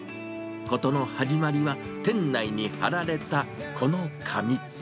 事の始まりは、店内に貼られたこの紙。